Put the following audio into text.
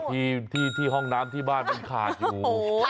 ที่ห้องน้ำที่บ้านมันขาดอยู่